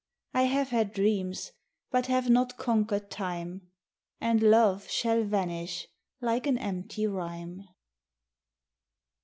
I have had dreams, but have not conquered Time ; And love shall vanish like an empty rhyme.